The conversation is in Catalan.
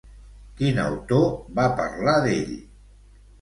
Quin autor va parlar d'ell?